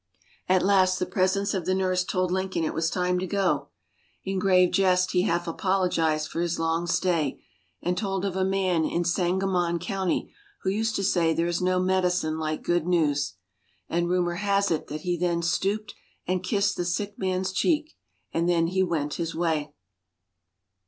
At last the presence of the nurse told Lincoln it was time to go; in grave jest he half apologized for his long stay, and told of a man in Sangamon County who used to say there is no medicine like good news. And rumor has it that he then stooped and kissed the sick man's cheek. And then he went his way.